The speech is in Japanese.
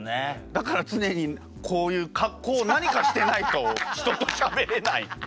だから常にこういう格好を何かしてないと人としゃべれない。